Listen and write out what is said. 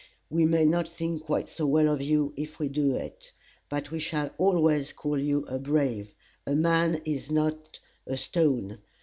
We may not think quite so well of you, if we do it; but we shall always call you a brave. A man is not a stone.